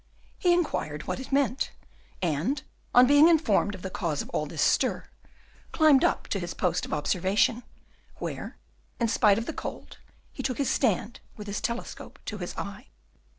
He inquired what it meant, and, on being informed of the cause of all this stir, climbed up to his post of observation, where in spite of the cold, he took his stand, with the telescope to his eye.